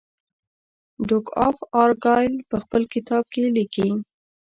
ډوک آف ارګایل په خپل کتاب کې لیکي.